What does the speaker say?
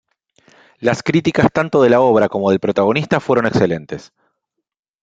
Las críticas tanto de la obra como del protagonista fueron excelentes.